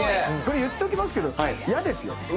これ言っときますけどイヤですよ。